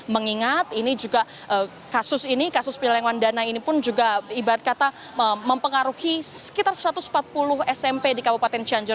mengingat ini juga kasus ini kasus pelelangan dana ini pun juga ibarat kata mempengaruhi sekitar satu ratus empat puluh smp di kabupaten cianjur